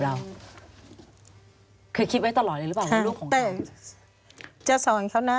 ควิทยาลัยเชียร์สวัสดีครับ